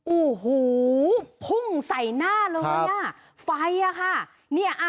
โอ้โหพุ่งใส่หน้าเลยอ่ะไฟอ่ะค่ะเนี่ย